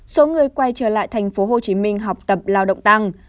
số người quay trở lại tp hcm học tập lao động tăng